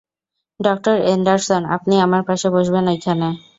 ডঃ Anderson, আপনি আমার পাশে বসবেন, ওইখানে।